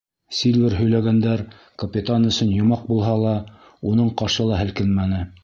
Сильвер һөйләгәндәр капитан өсөн йомаҡ булһа ла, уның ҡашы ла һелкенмәне.